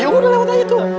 ya udah lewat aja tuh